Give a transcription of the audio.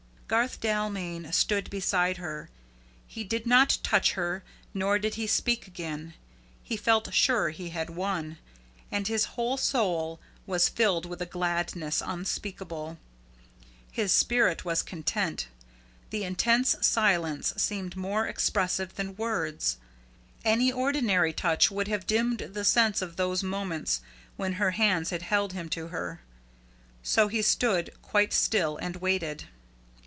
Garth Dalmain stood beside her. He did not touch her, nor did he speak again. He felt sure he had won; and his whole soul was filled with a gladness unspeakable. His spirit was content. The intense silence seemed more expressive than words. Any ordinary touch would have dimmed the sense of those moments when her hands had held him to her. So he stood quite still and waited.